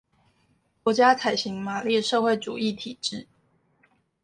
國家採行馬列社會主義體制